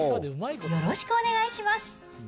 よろしくお願いします。